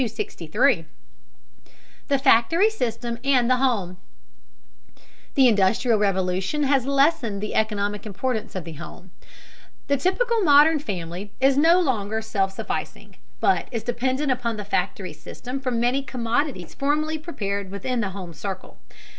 263. THE FACTORY SYSTEM AND THE HOME. The Industrial Revolution has lessened the economic importance of the home. The typical modern family is no longer self sufficing, but is dependent upon the factory system for many commodities formerly prepared within the home circle.